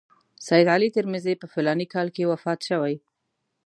سید علي ترمذي په فلاني کال کې وفات شوی.